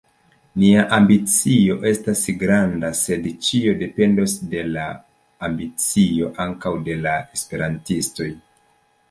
Nia ambicio estas granda, sed ĉio dependos de la ambicio ankaŭ de la esperantistoj.